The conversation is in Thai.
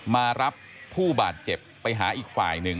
มารับผู้บาดเจ็บไปหาอีกฝ่ายหนึ่ง